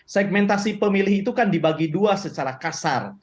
segmentasi pemilih itu kan dibagi dua secara kasar